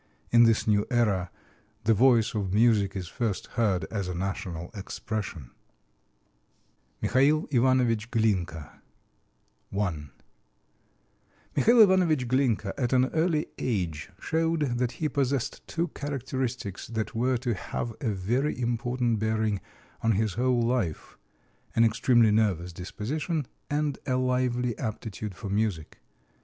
In this new era the voice of music is first heard as a national expression. [Illustration: MICHAL IVANOVICH GLINKA] RUSSIAN MUSIC Michal Ivanovich Glinka ONE Michal Ivanovich Glinka at an early age showed that he possessed two characteristics that were to have a very important bearing on his whole life an extremely nervous disposition and a lively aptitude for music.